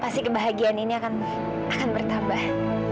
pasti kebahagiaan ini akan bertambah